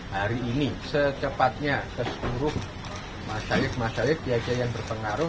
hari ini secepatnya sepuh masyarakat masyarakat yang berpengaruh